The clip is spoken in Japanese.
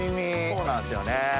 そうなんすよね。